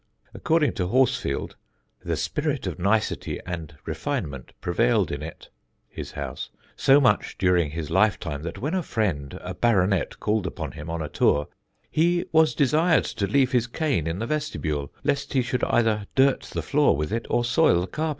According to Horsfield, "The spirit of nicety and refinement prevailed in it [his house] so much during his lifetime, that when a friend (a baronet) called upon him on a tour, he was desired to leave his cane in the vestibule, lest he should either dirt the floor with it, or soil the carpet."